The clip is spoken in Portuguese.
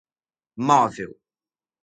móvel